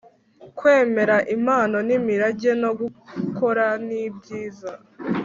Kwemera impano n imirage no gukora nibyiza